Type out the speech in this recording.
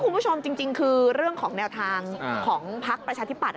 คุณผู้ชมจริงคือเรื่องของแนวทางของพักประชาธิปัตย